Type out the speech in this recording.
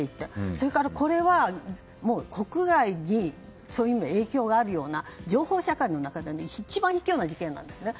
それからこれは国外に影響があるような情報社会の中で一番卑怯な事件なんですね。